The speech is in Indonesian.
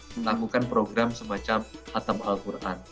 melakukan program semacam atab al quran